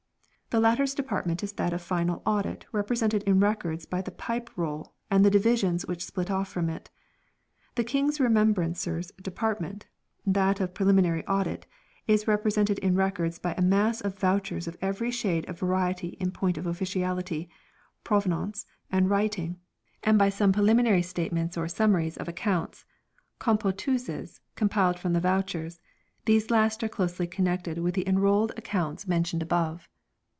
The latter's department is that of final audit represented in Records by the Pipe Roll Audit, and the divisions which split off from it. 1 The King's Remembrancer's department that of pre liminary audit is represented in Records by a mass of vouchers of every shade of variety in point of officiality, provenance, and writing ; and by some preliminary statements or summaries of Accounts Compotuses compiled from the vouchers ; these last are closely connected with the Enrolled Accounts 1 The documents now known as Foreign Accounts and Enrolled Accounts. 248 FINANCIAL RECORDS mentioned above.